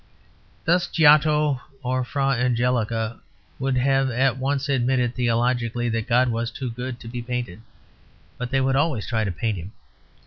Thus Giotto or Fra Angelico would have at once admitted theologically that God was too good to be painted; but they would always try to paint Him.